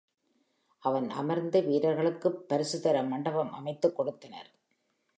அவன் அமர்ந்து வீரர்களுக்குப் பரிசு தர மண்டபம் அமைத்துக் கொடுத்தனர்.